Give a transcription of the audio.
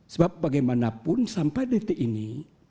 sebab bagaimanapun sampai detik ini